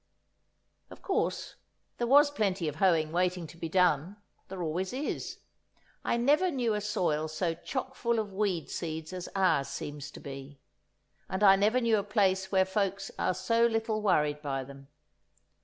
Of course there was plenty of hoeing waiting to be done, there always is; I never knew a soil so chock full of weed seeds as ours seems to be, and I never knew a place where folks are so little worried by them.